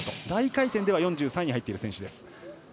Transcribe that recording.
大回転では４３位に入っている選手。